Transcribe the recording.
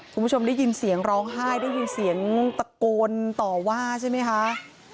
คุณผู้ชมได้ยินเสียงร้องไห้ได้ยินเสียงตะโกนต่อว่าใช่ไหมคะ